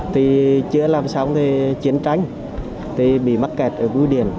thì chưa làm xong thì chiến tranh thì bị mắc kẹt ở biểu điện